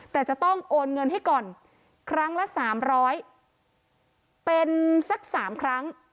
แต่จะต้องโอนเงินให้ก่อนครั้งละ๓๐๐เป็นสัก๓ครั้ง